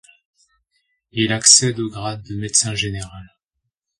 Il accède au grade de médecin général.